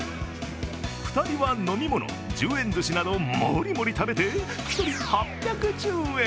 ２人は飲み物、１０円寿司などもりもり食べて、１人８１０円。